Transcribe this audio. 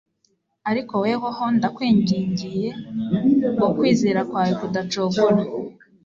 Ariko wehoho, ndakwingingiye ngo kwizera kwawe kudacogora.